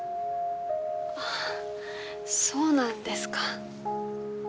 あぁそうなんですか。